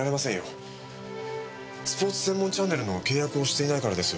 スポーツ専門チャンネルの契約をしていないからです。